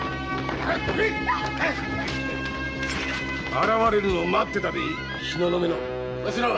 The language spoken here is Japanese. ・現れるのを待ってたぜ東雲の。